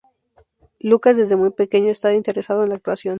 Lucas desde muy pequeño ha estado interesado en la actuación.